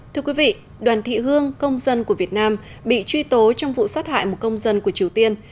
thưa quý vị đoàn thị hương công dân của việt nam bị truy tố trong vụ sát hại một công dân của triều tiên